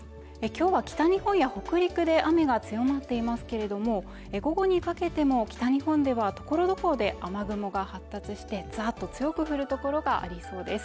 今日は北日本や北陸で雨が強まっていますけれども、午後にかけても北日本ではところどころで雨雲が発達して、ザーッと強く振る所がありそうです。